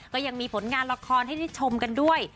ก็ยังมีผลงานละครให้ได้ชมกันด้วย